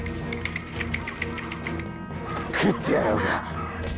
食ってやろうか！